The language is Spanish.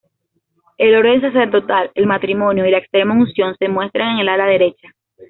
El orden sacerdotal, el matrimonio y la extremaunción se muestran en el ala derecha.